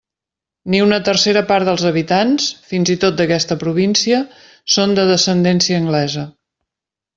Ni una tercera part dels habitants, fins i tot d'aquesta província, són de descendència anglesa.